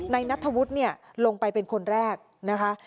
นัทธวุฒิเนี่ยลงไปเป็นคนแรกนะคะ